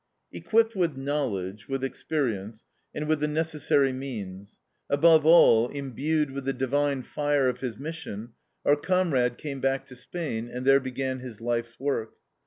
Equipped with knowledge, with experience, and with the necessary means; above all, imbued with the divine fire of his mission, our Comrade came back to Spain, and there began his life's work.